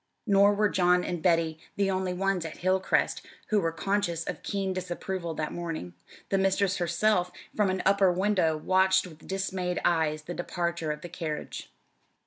Nor were John and Betty the only ones at Hilcrest who were conscious of keen disapproval that morning. The mistress herself, from an upper window, watched with dismayed eyes the departure of the carriage.